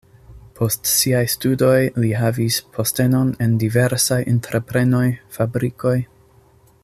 Post siaj studoj li havis postenon en diversaj entreprenoj, fabrikoj.